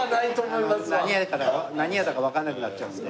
何屋だかわかんなくなっちゃうんで。